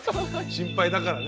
心配だからね。